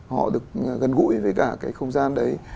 họ được gần gũi với cả cái không gian đấy